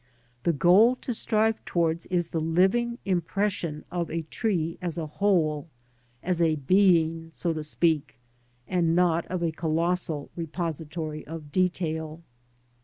The goal to strive towards is the living impression of a tree as a whole — ^as a being, so to speak — an d not of a colossal repository of detail.